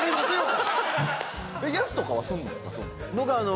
安とかはすんの？